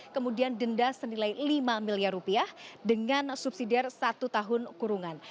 kemudian denda senilai lima miliar rupiah dengan subsidi satu tahun kurungan